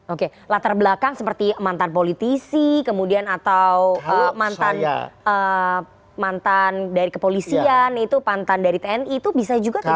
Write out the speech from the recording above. oke latar belakang seperti mantan politisi kemudian atau mantan dari kepolisian itu pantan dari tni itu bisa juga tidak